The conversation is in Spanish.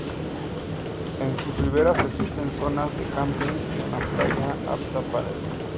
En sus riberas existen zonas de camping y una playa apta para el baño.